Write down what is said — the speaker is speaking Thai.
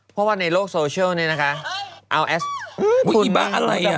เพราะว่าในโลกโซเชียลเนี่ยนะคะอัลแอสเมื่อกี้บ้าอะไรอ่ะ